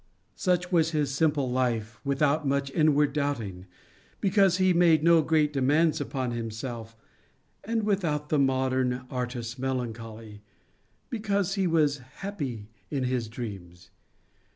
Such was his simple life, without much inward doubting, because he made no great demands upon himself, and without the modern artist's melancholy, because he was happy in his dreams.